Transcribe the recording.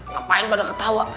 ngapain pada ketawa